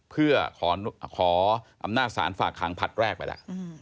เพื่อขออำนาจสารฝากขางพัดแรกไปละ